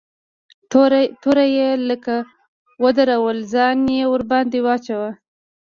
توره يې لکه ودروله ځان يې ورباندې واچاوه.